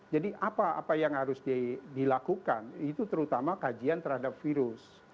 jadi apa apa yang harus dilakukan itu terutama kajian terhadap virus